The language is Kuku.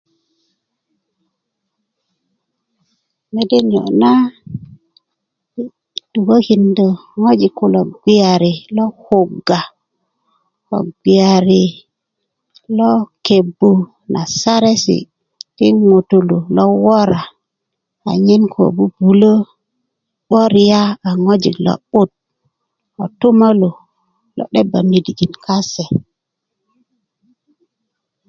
mede niyo' na tukökindö ŋwajik kulo bgeyari lo kugga ko bgiyari lo kebbu na saresi ti ŋutulu lo wora anyen ko bubulö 'böria a ŋwajik lo'but kotumalu lo 'deba midijin kase